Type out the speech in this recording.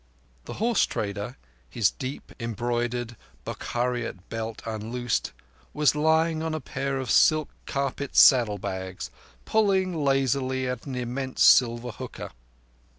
The horse trader, his deep, embroidered Bokhariot belt unloosed, was lying on a pair of silk carpet saddle bags, pulling lazily at an immense silver hookah.